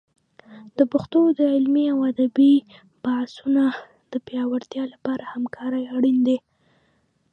د پښتو د علمي او ادبي بحثونو د پیاوړتیا لپاره همکارۍ اړین دي.